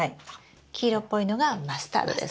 黄色っぽいのがマスタードです。